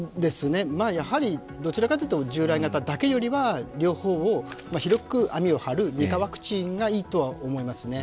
やはり、どちらかというと従来型だけよりは両方を広く網を張る、２価ワクチンがいいとは思いますね。